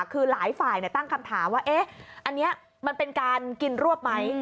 คือหลายฝ่ายตั้งคำถามว่าอันนี้มันเป็นการกินรวบไหม